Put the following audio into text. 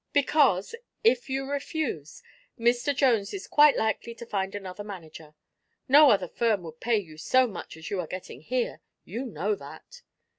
"Because, if you refuse, Mr. Jones is quite likely to find another manager. No other firm would pay you so much as you are getting here. You know that."